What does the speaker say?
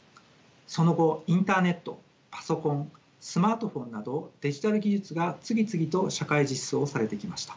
その後インターネットパソコンスマートフォンなどデジタル技術が次々と社会実装されてきました。